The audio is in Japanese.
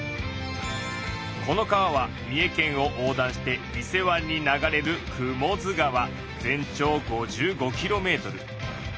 この川は三重県を横断して伊勢湾に流れる全長５５キロメートル。